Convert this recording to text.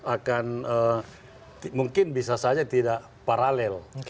akan mungkin bisa saja tidak paralel